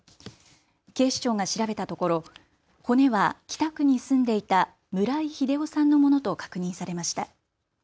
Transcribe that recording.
警視庁が調べたところ骨は北区に住んでいた村井秀夫さんのものと確認されました。